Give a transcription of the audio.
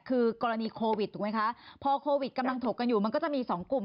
คือกรณีโควิดถูกไหมคะพอโควิดกำลังถกกันอยู่มันก็จะมีสองกลุ่ม